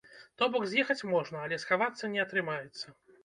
То бок, з'ехаць можна, але схавацца не атрымаецца.